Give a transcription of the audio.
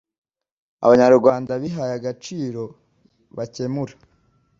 Abanyarwanda bihaye agaciro bakemura